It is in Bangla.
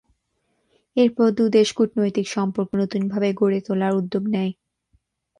এরপর দু দেশ কূটনৈতিক সম্পর্ক নতুনভাবে গড়ে তোলার উদ্যোগ নেয়।